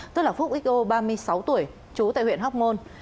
tức là phúc xo ba mươi sáu tuổi trú tại huyện hóc môn